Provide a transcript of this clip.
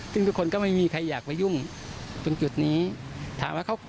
ซึ่งทุกคนก็ไม่มีใครอยากไปยุ่งตรงจุดนี้ถามว่าเขา